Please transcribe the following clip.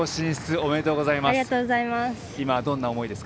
ありがとうございます。